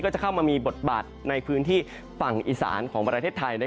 จะเข้ามามีบทบาทในพื้นที่ฝั่งอีสานของประเทศไทย